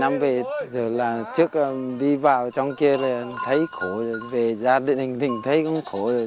bảy năm về trước đi vào trong kia thấy khổ rồi về gia đình thấy cũng khổ rồi